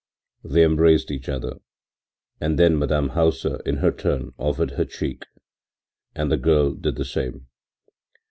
” They embraced each other and then Madame Hauser in her turn offered her cheek, and the girl did the same.